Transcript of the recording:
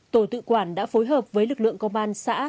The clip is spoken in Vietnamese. tổ tự quản đã phối hợp với lực lượng công an xã